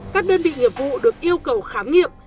các đơn vị nghiệp vụ được yêu cầu khám nghiệm